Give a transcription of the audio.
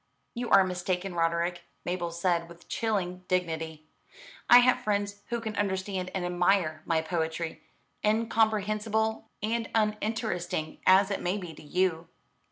"You are mistaken, Roderick," Mabel said with chilling dignity; "I have friends who can understand and admire my poetry, incomprehensible and uninteresting as it may be to you."